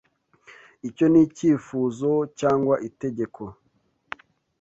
Icyo ni icyifuzo cyangwa itegeko?